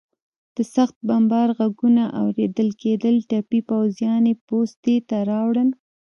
د سخت بمبار غږونه اورېدل کېدل، ټپي پوځیان یې پوستې ته راوړل.